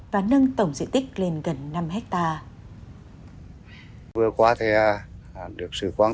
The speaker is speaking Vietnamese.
và nâng tổng diện tích lên cây trồng